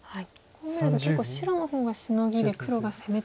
こう見ると結構白の方がシノギで黒が攻め。